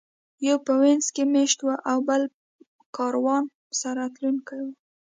یو په وینز کې مېشت او بل کاروان سره تلونکی و.